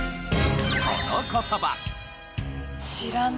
この言葉。